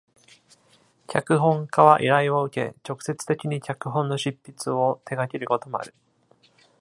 脚本家は、依頼を受け、直接的に脚本の執筆を手掛けることもある。